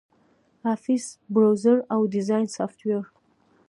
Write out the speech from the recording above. آفس، براوزر، او ډیزاین سافټویر